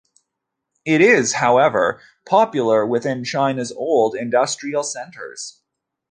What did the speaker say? It is, however, popular within China's old industrial centers.